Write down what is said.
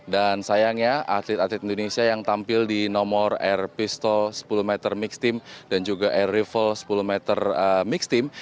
dan sayangnya atlet atlet indonesia yang tampil di nomor air pistols sepuluh meter mixed team dan juga air rifle sepuluh meter mixed team